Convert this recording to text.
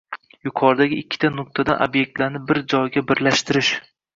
Yuqoridagi ikkita nuqtadan ob'ektlarni bir joyga birlashtirish